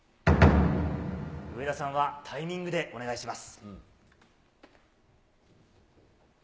上田さんはタイミングでお願いします。